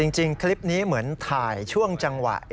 จริงคลิปนี้เหมือนถ่ายช่วงจังหวะ